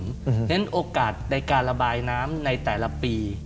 เพราะฉะนั้นโอกาสในการระบายน้ำในแต่ละปี